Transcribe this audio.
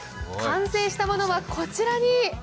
完成したものはこちらに。